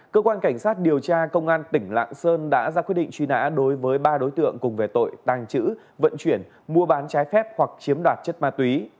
cơ quan cảnh sát điều tra công an tỉnh lạng sơn đã ra quyết định truy nã đối với ba đối tượng cùng về tội tàng trữ vận chuyển mua bán trái phép hoặc chiếm đoạt chất ma túy